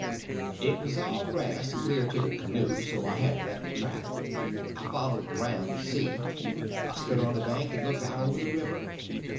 It was all grass clear to the canoe, so I hadn't left a track. I followed around to see. I stood on the bank and looked out over the river.